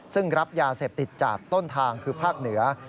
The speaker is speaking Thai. ซึ่งรับยาเสพติดจากต้นทางคือภาคเหนือ